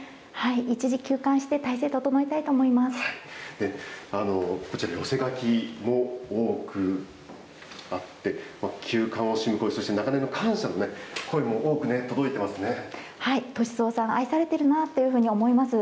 一時休館して、体制を整えたいとこちら、寄せ書きも多くあって、休館を惜しむ声、そして長年の感謝の声も多くね、届いてます歳三さん、愛されてるなというふうに思います。